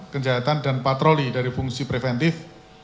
kejahatan dan patroli dari fungsi preventif